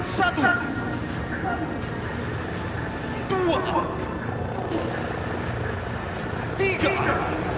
satu dua tiga empat